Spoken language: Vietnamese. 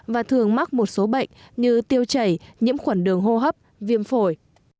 và thường mắc một số bệnh như tiêu chảy nhiễm khuẩn đường hô hấp viêm phổi